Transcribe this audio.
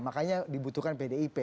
makanya dibutuhkan pdip